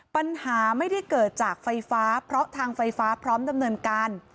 ปัญหาไม่ได้เกิดจากไฟฟ้าเพราะทางไฟฟ้าพร้อมดำเนินการ